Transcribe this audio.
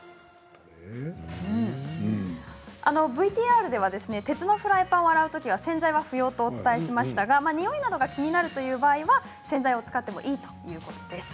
ＶＴＲでは鉄のフライパンを洗うときは洗剤は不要とお伝えしましたがにおいなどが気になるというときは洗剤を使ってもいいということです。